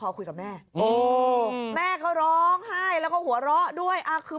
หลายอารมณ์เหลือเกิน